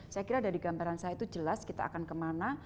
saya kira dari gambaran saya itu jelas kita akan kemana